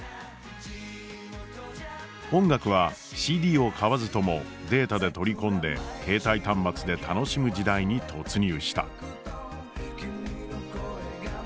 音楽はＣＤを買わずともデータで取り込んで携帯端末で楽しむ時代に突入した。